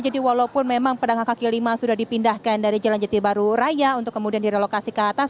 jadi walaupun memang pedang kaki lima sudah dipindahkan dari jalan jati baru raya untuk kemudian direlokasi ke atas